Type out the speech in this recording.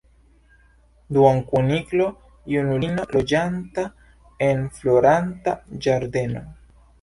Duonkuniklo-junulino, loĝanta en Floranta Ĝardeno.